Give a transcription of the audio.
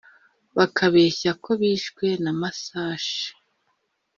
bakabeshya ko zishwe n’amasashe